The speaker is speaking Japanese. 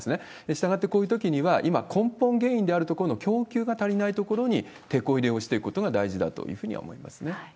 したがって、こういうときには、今、根本原因であるところの供給が足りないところにてこ入れをしていくことが大事だというふうには思いますね。